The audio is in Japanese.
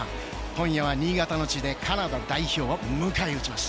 今夜は新潟の地でカナダ代表を迎え撃ちます。